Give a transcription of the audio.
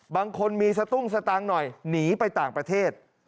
บางคนมีสตุ้งสตางค์หน่อยหนีไปต่างประเทศ